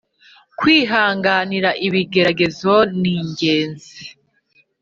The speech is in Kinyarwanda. kwihanganira ibigeragezo ningenzi .